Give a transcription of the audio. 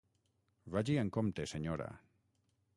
Vagi amb compte, senyora.